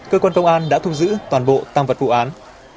cơ quan công an đã thu giữ toàn bộ tăng vật vụ án